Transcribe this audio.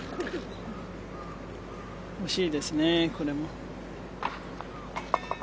惜しいですね、これも。